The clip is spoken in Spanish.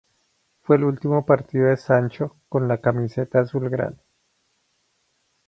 Fue el último partido de Sancho con la camiseta azulgrana.